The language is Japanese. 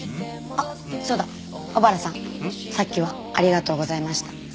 さっきはありがとうございました。